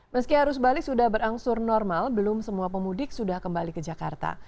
meski arus balik sudah berangsur normal belum semua pemudik sudah kembali ke jakarta